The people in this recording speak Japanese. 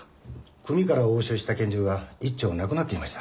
組から押収した拳銃が１丁なくなっていました。